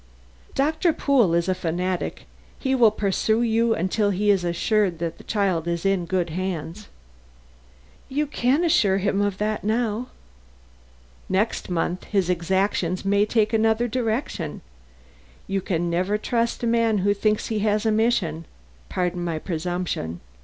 "Doctor Pool is a fanatic; he will pursue you until he is assured that the child is in good hands." "You can assure him of that now." "Next month his exactions may take another direction. You can never trust a man who thinks he has a mission. Pardon my presumption.